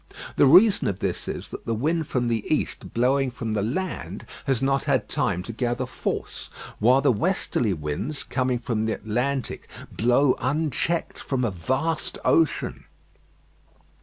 The reason of this is, that the wind from the east blowing from the land has not had time to gather force; while the westerly winds, coming from the Atlantic, blow unchecked from a vast ocean.